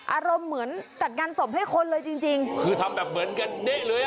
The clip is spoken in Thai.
อารมณ์เหมือนจัดงานศพให้คนเลยจริงจริงคือทำแบบเหมือนกันเด๊ะเลย